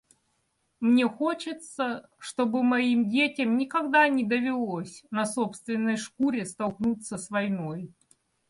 Мне хочется, чтобы моим детям никогда не довелось на собственной шкуре столкнуться с войной.